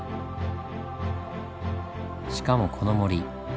しかもこの森